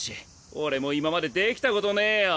俺も今までできたことねぇよ。